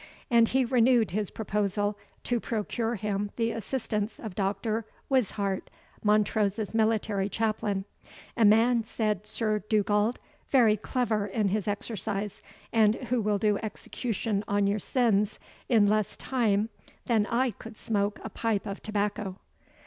And he renewed his proposal to procure him the assistance of Dr. Wisheart, Montrose's military chaplain; "a man," said Sir Dugald, "very clever in his exercise, and who will do execution on your sins in less time than I could smoke a pipe of tobacco."